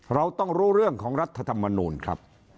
เราต้องรู้เรื่องของรัฐธรรมนูลครับ